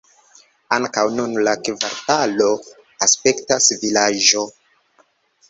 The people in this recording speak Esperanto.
Ankaŭ nun la kvartalo aspektas vilaĝo.